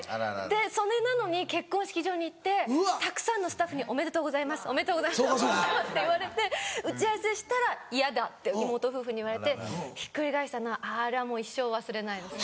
それなのに結婚式場に行ってたくさんのスタッフに「おめでとうございます」って言われて打ち合わせしたら「嫌だ」って妹夫婦に言われてひっくり返したのはあれはもう一生忘れないですね。